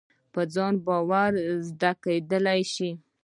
په ځان باور زده کېدلای شي.